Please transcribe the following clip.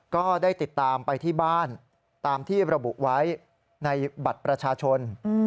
ก็ได้ติดตามไปที่บ้านตามที่ระบุไว้ในบัตรประชาชน